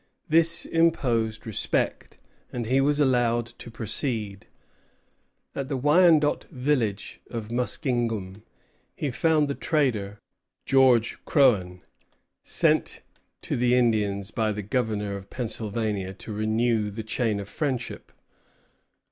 This imposed respect, and he was allowed to proceed. At the Wyandot village of Muskingum he found the trader George Croghan, sent to the Indians by the Governor of Pennsylvania, to renew the chain of friendship.